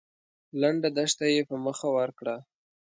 لنډه دښته يې په مخه ورکړه.